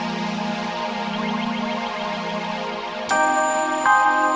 mood mamahku lagi gak enak